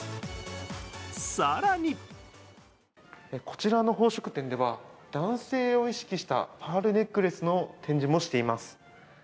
更にこちらの宝飾店では男性を意識したパールネックレスの展示もしています。